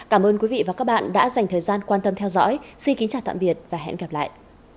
cảm ơn các bạn đã theo dõi và hẹn gặp lại